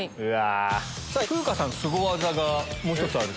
風花さんスゴ技がもう１つある。